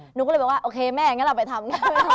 หนูก็เลยบอกว่าโอเคแม่งั้นเราไปทำ